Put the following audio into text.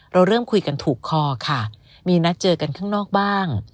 เราเริ่มคุยกันถูกคอค่ะมีนัดเจอกันข้างนอกบ้าง